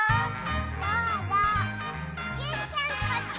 どうぞジュンちゃんこっち！